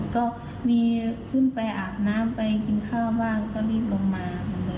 ก็มีขึ้นไปอาบน้ำไปกินข้าวบ้างก็รีบลงมา